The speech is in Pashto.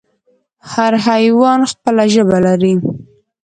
هر حیوان خپله ژبه لري